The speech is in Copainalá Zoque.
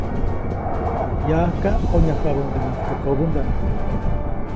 Yaʼajka ʼonyajpabäʼundenaʼajk teʼ kobändaʼm.